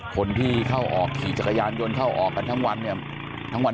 คนที่เข้าออกขี่จักรยานยนต์เข้าออกกันทั้งวัน